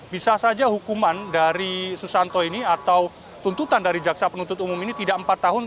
bisa saja hukuman dari susanto ini atau tuntutan dari jaksa penuntut umum ini tidak empat tahun